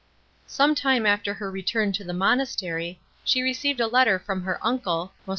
Some time after her return to the monastery, she received a letter from her uncle, Mons.